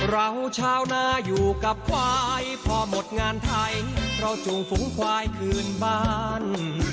เราชาวนาอยู่กับควายพอหมดงานไทยเราจูงฝูงควายคืนบ้าน